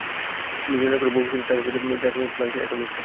কিন্তু জেনে রাখো, ভবিষ্যতে তা-ই হবে, যার সিদ্ধান্ত তুমি আজকে, এখন নিচ্ছ।